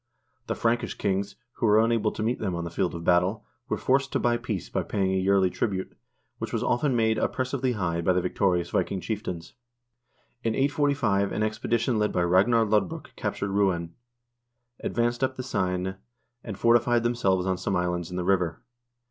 The Frankish kings, who were unable to meet them on the field of battle, were forced to buy peace by paying a yearly tribute, which was often made oppres sively high by the victorious Viking chieftains. In 845 an expedi tion led by Ragnar Lodbrok captured Rouen, advanced up the Seine, and fortified themselves on some islands in the river.